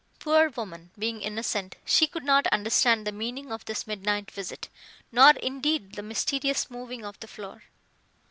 Poor woman, being innocent, she could not understand the meaning of this midnight visit, nor indeed the mysterious moving of the floor.